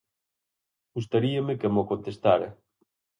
Gustaríame que mo contestara.